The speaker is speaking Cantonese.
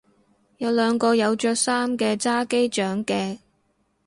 有兩個有着衫嘅揸機掌鏡